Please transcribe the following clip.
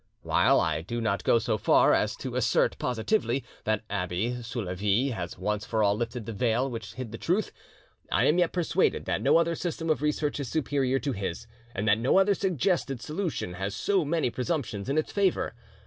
While I do not go so far as to assert positively that Abbe Soulavie has once for all lifted the veil which hid the truth, I am yet persuaded that no other system of research is superior to his, and that no other suggested solution has so many presumptions in its favour.